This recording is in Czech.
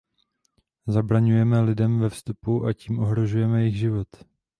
Zabraňujeme lidem ve vstupu, a tím ohrožujeme jejich život.